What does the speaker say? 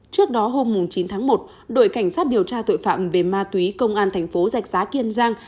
trước đó hôm chín tháng một đội cảnh sát điều tra tội phạm về ma túy công an thành phố giạch giá kiên giang